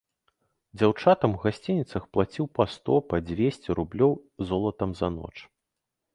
Дзяўчатам у гасцініцах плаціў па сто, па дзвесце рублёў золатам за ноч.